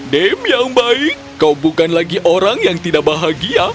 dame yang baik kau bukan lagi orang yang tidak bahagia